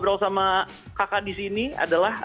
sampai bisa ngobrol sama kakak disini adalah